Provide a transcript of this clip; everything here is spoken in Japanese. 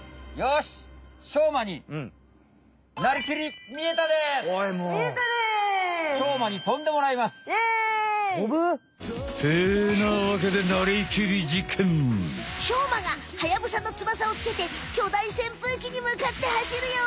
しょうまがハヤブサの翼をつけてきょだいせんぷうきにむかってはしるよ。